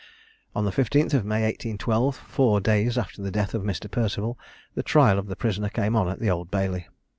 On the 15th of May, 1812, four days after the death of Mr. Perceval, the trial of the prisoner came on at the Old Bailey.